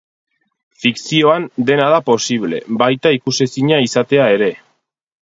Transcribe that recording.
Fikzioan dena da posible, baita ikusezina izatea ere.